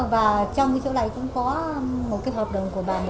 và trong cái chỗ này cũng có một cái hợp đồng của bà mình